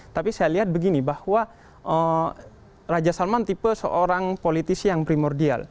tapi saya lihat begini bahwa raja salman tipe seorang politisi yang primordial